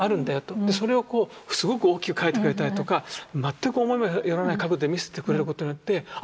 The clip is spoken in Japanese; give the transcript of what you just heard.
それをすごく大きく描いてくれたりとか全く思いも寄らない角度で見せてくれることによってあ！